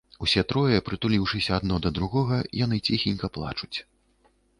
Усе трое, прытулiўшыся адно да другога, яны цiхенька плачуць.